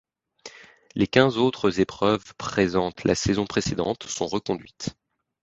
Les quinze autres épreuves présentes la saison précédente sont reconduites.